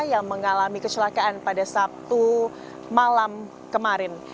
yang mengalami kecelakaan pada sabtu malam kemarin